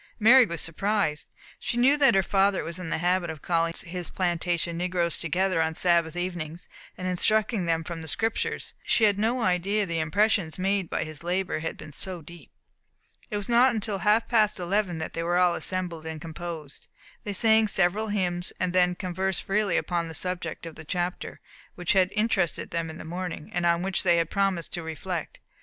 Mary was surprised. She knew that her father was in the habit of calling his plantation negroes together on Sabbath evenings, and instructing them from the Scriptures, but she had no idea that the impressions made by his labour had been so deep. It was not until half past eleven that they were all assembled and composed. They sang several hymns, then conversed freely upon the subject of the chapter, which had interested them in the morning, and on which they had promised to reflect.